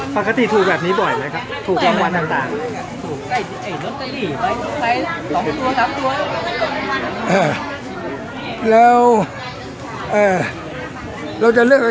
ภาคคติทูแบบนี้บ่อยนะครับถูกวันต่างแล้วเราจะเลือก